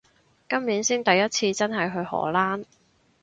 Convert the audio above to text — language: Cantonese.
今年先第一次真係去荷蘭